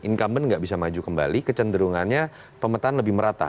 income in gak bisa maju kembali kecenderungannya pemetaan lebih merata